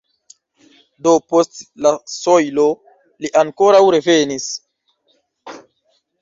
De post la sojlo li ankoraŭ revenis.